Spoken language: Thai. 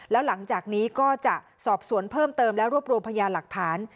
แล้วหลังจากนี้ก็จะสอบสวนเพิ่มเติมและรวบรวมพยาหลักฐาน